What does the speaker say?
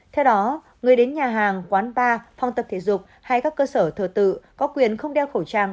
theo đó người đến nhà hàng quán bar phòng tập thể dục hay các cơ sở thờ tự có quyền không đeo khẩu trang